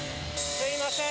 すいません。